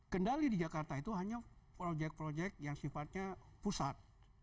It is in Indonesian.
kendali di jakarta itu hanya proyek proyek yang sifatnya pusat